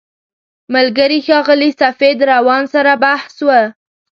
ملګري ښاغلي سفید روان سره بحث و.